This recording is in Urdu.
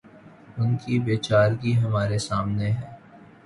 ان کی بے چارگی ہمارے سامنے ہے۔